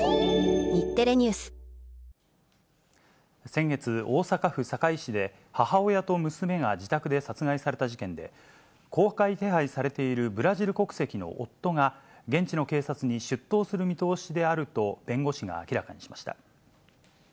先月、大阪府堺市で、母親と娘が自宅で殺害された事件で、公開手配されているブラジル国籍の夫が、現地の警察に出頭する見通しであると、弁護士が明らかにしました。